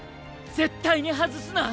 絶対に外すな！